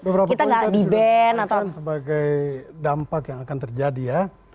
beberapa poin tadi sudah saya katakan sebagai dampak yang akan terjadi ya